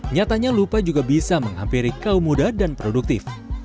nyatanya lupa juga bisa menghampiri kaum muda dan produktif